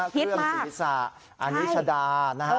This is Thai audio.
เครื่องศีรษะอานิชดานะฮะ